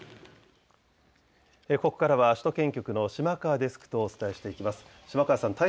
ここからは首都圏局の島川デスクとお伝えしていきます。